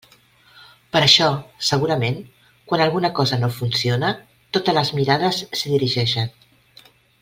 Per això, segurament, quan alguna cosa no funciona, totes les mirades s'hi dirigeixen.